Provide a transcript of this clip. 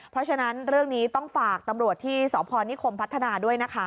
เพราะฉะนั้นเรื่องนี้ต้องฝากตำรวจที่สพนิคมพัฒนาด้วยนะคะ